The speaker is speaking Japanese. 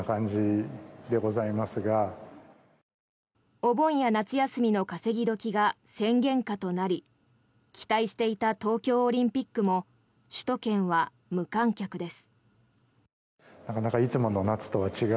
お盆や夏休みの稼ぎ時が宣言下となり期待していた東京オリンピックも首都圏は無観客です。